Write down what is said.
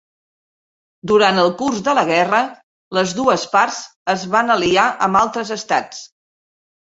Durant el curs de la guerra les dues parts es van aliar amb altres estats.